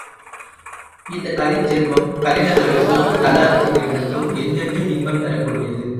இந்தக் கலைச் செல்வம், கலைஞர்களுக்கும் கலா ரசிகர்களுக்கும் என்றென்றும் இன்பம் தரக் கூடியது.